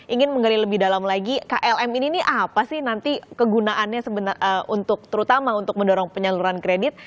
ingin menggali lebih dalam lagi klm ini apa sih nanti kegunaannya untuk terutama untuk mendorong penyaluran kredit